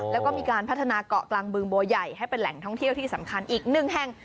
แล้วก็มีการพัฒนาเกาะกลางบึงบัวใหญ่ให้เป็นแหล่งท่องเที่ยวที่สำคัญอีกหนึ่งแห่ง